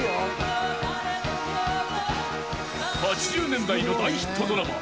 ［８０年代の大ヒットドラマ］